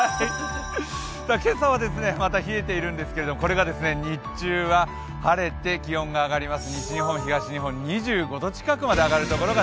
今朝はまた冷えているんですけどこれが日中は晴れて気温が上がります。